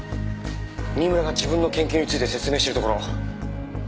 新村が自分の研究について説明しているところ。